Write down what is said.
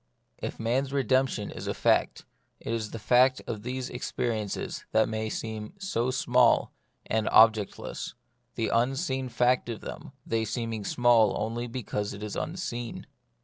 If man's redemption is a fact, it is the fact of these experiences that may seem so small and ob jectless ; the unseen fact of them, they seem ing small only because it is unseen.